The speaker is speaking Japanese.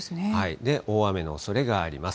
大雨のおそれがあります。